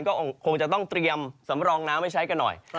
ก็คงจะต้องเตรียมสำรองน้ำไว้ใช้กันหน่อย